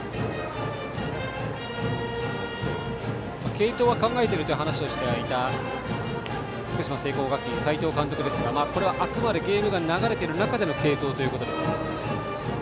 継投は考えているという話はしていた福島・聖光学院の斎藤監督ですがこれはあくまでゲームが流れている中での継投です。